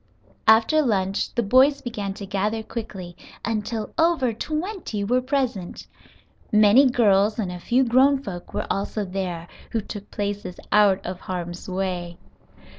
After lunch the boys began to gather quickly, until over twenty were present. Many girls and a few grown folks were also there, who took places out of harm's way.